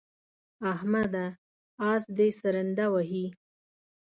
احمده! اس دې سرنده وهي.